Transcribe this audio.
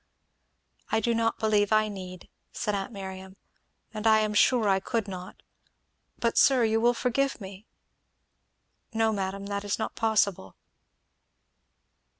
"I do not believe I need," said aunt Miriam, "and I am sure I could not, but sir, you will forgive me?" "No madam that is not possible."